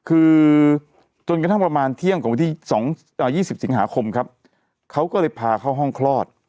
คือจนกระทั่งประมาณเที่ยงของวันที่๒๐สิงหาคมครับเขาก็เลยพาเข้าห้องคลอด